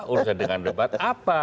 urusan dengan debat apa